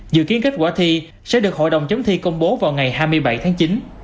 dự kiến kết quả thi sẽ được hội đồng chấm thi công bố vào ngày hai mươi bảy tháng chín